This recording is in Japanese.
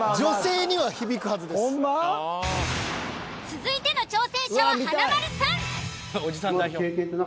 続いての挑戦者は華丸さん。